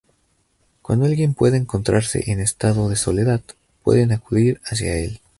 Cuando alguien pueda encontrarse en estados de soledad, pueden acudir hacia el.